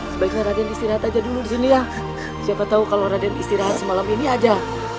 sebaiknya raden istirahat aja dulu di sini ya siapa tahu kalau raden istirahat semalam ini aja